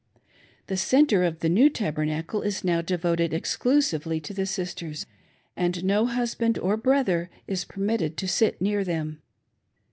The centre of the new Tabernacle is now devoted exclusively to the sisters, and no husband or brother is permitted to sit near them.